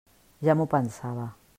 Ja m'ho pensava.